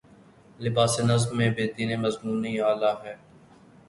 لباسِ نظم میں بالیدنِ مضمونِ عالی ہے